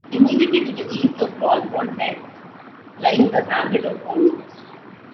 Immediately to the east of Walford Heath lies the hamlet of Old Woods.